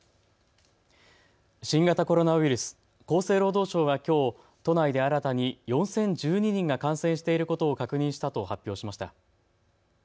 新型コロナウイルス、厚生労働省はきょう都内で新たに４０１２人が感染していることを確認したと発表しました。